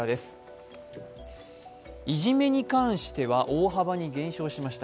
いじめに関しては大幅に減少しました。